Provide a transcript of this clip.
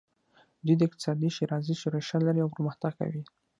دوی د اقتصادي ښېرازۍ ریښه لري او پرمختګ کوي.